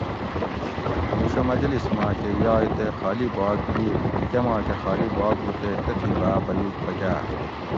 ھمیشہ مجلس ماکہ یائے تے خالی باگ بِیر کماکہ خالی باگ ہُو تے تتھی با بیوگ پکاۤر